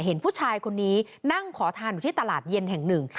เห็นผู้ชายคนนี้นั่งขอทานอยู่ที่ตลาดเย็นแห่งหนึ่ง